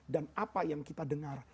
dan apa yang kita dengar